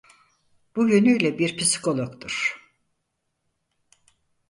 Bu yönüyle bir psikologdur.